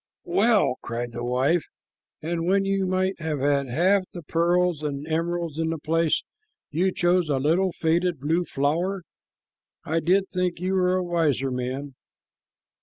'" "Well!" cried the wife, "and when you might have had half the pearls and emeralds in the place, you chose a little faded blue flower! I did think you were a wiser man."